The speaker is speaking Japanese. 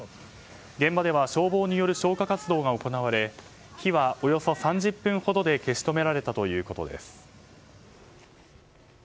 現場では消防による消火活動が行われ火はおよそ３０分ほどで消し止められたということです。